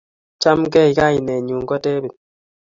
Chamgei, kainenyu ko David.